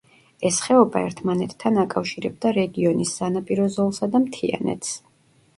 ეს ხეობა ერთმანეთთან აკავშირებდა რეგიონის სანაპირო ზოლსა და მთიანეთს.